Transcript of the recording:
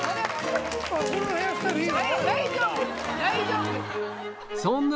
このヘアスタイルいいよ！